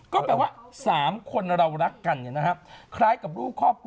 ก็แปลว่า๓คนเรารักกันเนี่ยนะครับคล้ายกับรูปครอบครัว